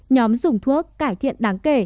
nhóm dùng thuốc cải thiện đáng kể